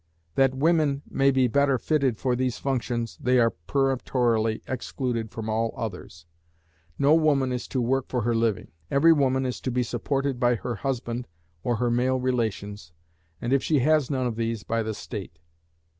That women may be better fitted for these functions, they are peremptorily excluded from all others. No woman is to work for her living. Every woman is to be supported by her husband or her male relations, and if she has none of these, by the State.